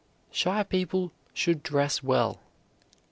Shy people should dress well.